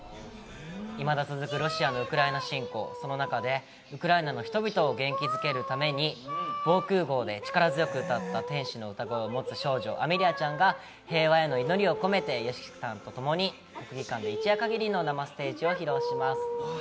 いまだ続くロシアのウクライナ侵攻、そんな中でウクライナの人々を元気づけるために防空壕で力強く歌った天使の歌声を持つ少女・アメリアちゃんが平和への祈りを込めてＹＯＳＨＩＫＩさんと共に国技館で一夜限りの生ステージを披露します。